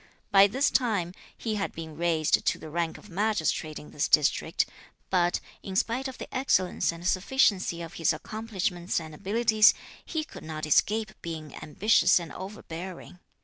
By this time, he had been raised to the rank of Magistrate in this district; but, in spite of the excellence and sufficiency of his accomplishments and abilities, he could not escape being ambitious and overbearing.